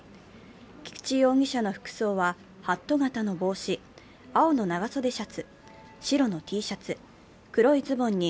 菊池容疑者の服装はハット型の帽子、青の長袖シャツ、白のＴシャツ、黒いズボンに